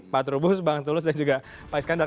pak atur bus bang tulus dan juga pak iskandar